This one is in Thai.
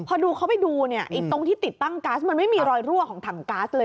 พอเข้าไปดูตรงที่ติดตั้งก๊าซมันไม่มีรอยรั่วของถังก๊าซเลยนะครับ